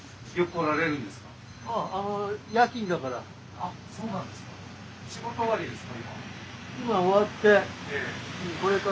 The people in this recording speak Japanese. あっそうなんですか。